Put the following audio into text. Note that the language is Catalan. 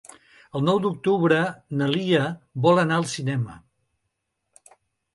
El nou d'octubre na Lia vol anar al cinema.